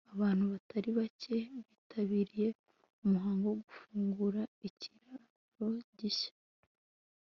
abantu batari bake bitabiriye umuhango wo gufungura ikiraro gishya